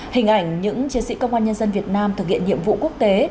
hình ảnh những chiến sĩ công an nhân dân việt nam thực hiện nhiệm vụ quốc tế